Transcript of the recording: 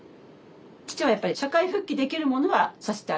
父はやっぱり社会復帰できるものはさせてあげたい。